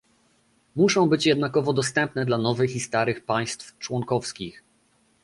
Muszą być jednakowo dostępne dla nowych i starych państw członkowskich